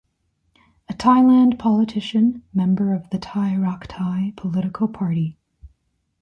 A Thailand politician, member of the Thai Rak Thai political party.